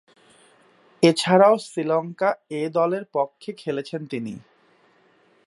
এছাড়াও শ্রীলঙ্কা এ দলের পক্ষে খেলেছেন তিনি।